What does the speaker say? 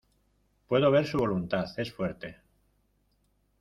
Puedo ver su voluntad es fuerte.